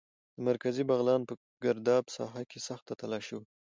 د مرکزي بغلان په ګرداب ساحه کې سخته تالاشي وه.